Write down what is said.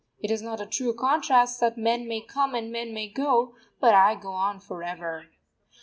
It is not a true contrast that men may come and men may go, but I go on for ever.